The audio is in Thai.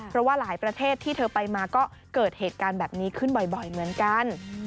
เพราะว่าหลายประเทศที่เธอไปมาก็เกิดเหตุการณ์แบบนี้ขึ้นบ่อยเหมือนกัน